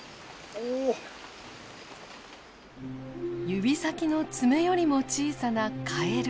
指先の爪よりも小さなカエル。